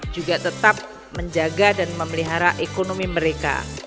juga tetap menjaga dan memelihara ekonomi mereka